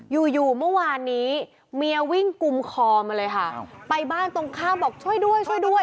อยู่อยู่เมื่อวานนี้เมียวิ่งกุมคอมาเลยค่ะไปบ้านตรงข้ามบอกช่วยด้วยช่วยด้วย